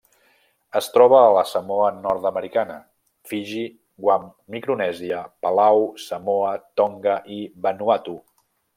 Es troba a la Samoa Nord-americana, Fiji, Guam, Micronèsia, Palau, Samoa, Tonga i Vanuatu.